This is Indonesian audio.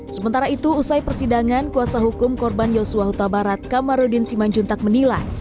sementara itu usai persidangan kuasa hukum korban yosua huta barat kamarudin simanjuntak menilai